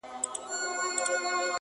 په دریاب کي پاڅېدل د اوبو غرونه!.